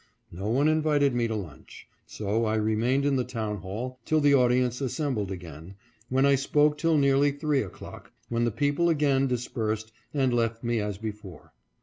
No one invited me to lunch, so I remained in the town hall till the audience assembled again, when I spoke till nearly three o'clock, when the people again dispersed, and left me as before.